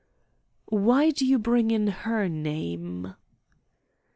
"Why do you bring in her name?"